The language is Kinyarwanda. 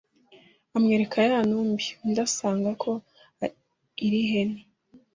Amwereka ya ntumbi, undi asanga koko ari ihene